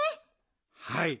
「はい。